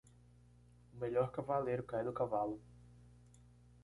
O melhor cavaleiro cai do cavalo.